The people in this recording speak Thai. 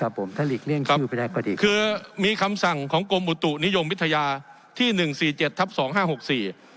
ผมถ้าหลีกเลี่ยงครับดีคือมีคำสั่งของกรมอุตุนิยมวิทยาที่หนึ่งสี่เจ็ดทับสองห้าหกสี่